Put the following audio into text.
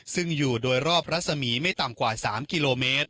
ซึ่งอยู่โดยรอบรัศมีไม่ต่ำกว่า๓กิโลเมตร